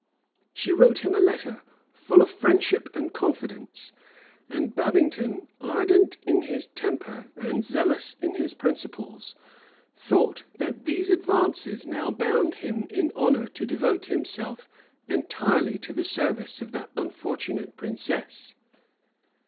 She wrote him a letter, full of friendship and confidence; and Babington, ardent in his temper and zealous in his principles, thought that these advances now bound him in honor to devote himself entirely to the service of that unfortunate princess.